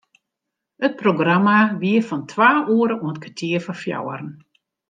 It programma wie fan twa oere oant kertier foar fjouweren.